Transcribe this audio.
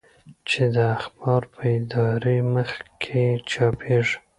چې د اخبار په اداري مخ کې چاپېږي.